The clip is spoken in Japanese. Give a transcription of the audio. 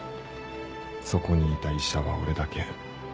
そこにいた医者は俺だけ。